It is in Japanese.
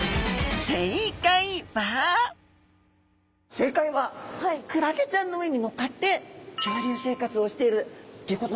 正解はクラゲちゃんの上に乗っかって漂流生活をしてるっていうことなんですね。